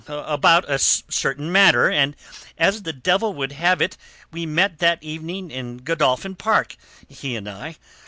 about... a certain matter, and as the devil would have it we met that evening in Godolphin Park, he and I.